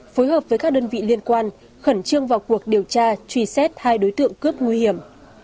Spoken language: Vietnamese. phối hợp với các đơn vị liên quan khẩn trương vào cuộc điều tra truy xét hai đối tượng cướp nguy hiểm